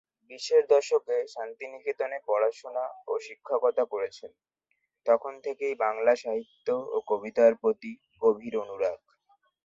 বিশের দশকে শান্তিনিকেতনে পড়াশোনা ও শিক্ষকতা করেছেন তখন থেকেই বাংলা সাহিত্য ও কবিতার প্রতি গভীর অনুরাগ।